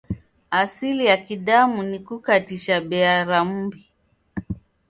Asili ya Kidamu ni kukatisha bea ra m'mbi.